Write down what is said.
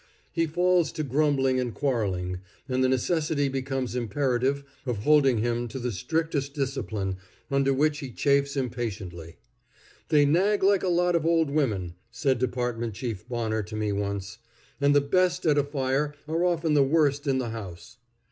He falls to grumbling and quarreling, and the necessity becomes imperative of holding him to the strictest discipline, under which he chafes impatiently. "They nag like a lot of old women," said Department Chief Bonner to me once; "and the best at a fire are often the worst in the house."